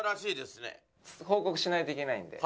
報告しないといけないんで。